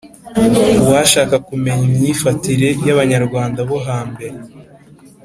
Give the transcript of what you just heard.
uwashaka kumenya imyifatire y’abanyarwanda bo hambere,